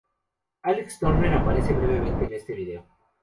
Alex Turner aparece brevemente en este video.